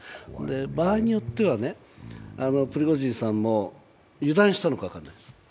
場合によっては、プリゴジンさんも油断したかのか分からないです。